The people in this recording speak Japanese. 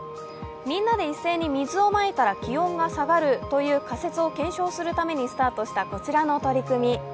みんなで一斉に水をまいたら気温が下がるという仮説を検証するためにスタートしたこちらの取り組み。